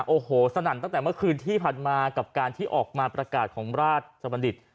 โอ้โหสนั่นตั้งแต่เมื่อคืนที่ผ่านมากับการที่ออกมาประกาศของราชบัณฑิต